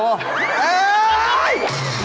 เฮ่ย